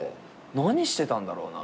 何してたんだろうな。